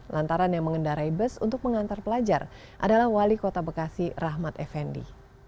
lantaran yang mengendarai bus untuk mengantar pelajar adalah wali kota bekasi rahmat effendi